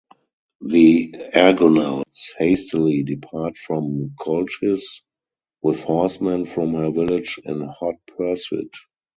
The Argonauts hastily depart from Colchis, with horsemen from her village in hot pursuit.